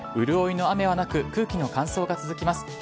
潤いの雨はなく空気の乾燥が続きます。